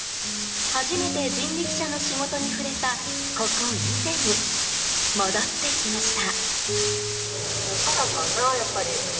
初めて人力車の仕事に触れたここ、伊勢に戻ってきました。